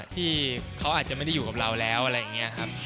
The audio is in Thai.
ที่เขาอาจจะไม่ได้อยู่กับเราแล้วอะไรอย่างนี้ครับ